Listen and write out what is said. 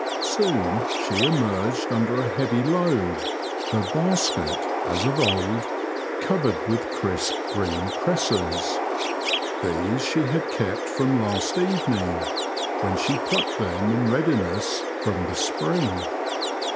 Soon she emerged under a heavy load, her basket, as of old, covered with crisp, green cresses. These she had kept from last evening, when she plucked them in readiness, from the spring.